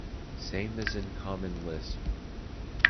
Same as in Common Lisp.